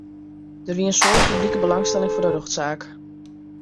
Der wie in soad publike belangstelling foar de rjochtsaak.